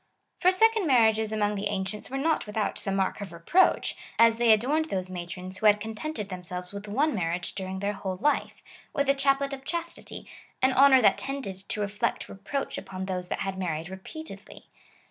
For second marriages among the ancients were not without some mark of reproach, as they adorned those matrons, who had contented them selves with one marriage during their whole life, with a chaplet of chastity^ — an honour that tended to reflect re proach upon those that had married repeatedly.